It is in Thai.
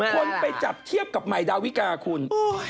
คนไปจับเทียบกับใหม่ดาวิกาคุณ